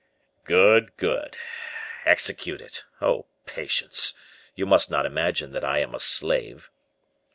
"Good! good! execute it! Oh, patience! You must not imagine that I am a slave."